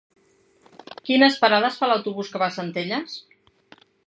Quines parades fa l'autobús que va a Centelles?